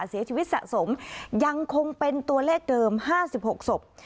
เสียชีวิตสะสมยังคงเป็นตัวเลขเดิม๕๖ศพ